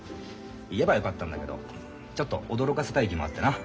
言えばよかったんだけどちょっと驚かせたい気もあってな。